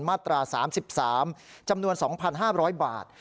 มาตรา๓๓จำนวน๒๕๐๐บาท